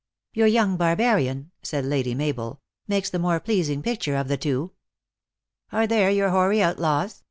" Your young barbarian," said Lady Mabel, " makes the more pleasing picture of the two." " Are there your hoary outlaws